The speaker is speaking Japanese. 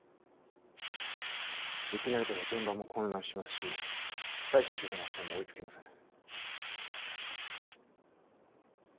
いきなりでは現場も混乱しますし再就職のあっせんも追いつきません。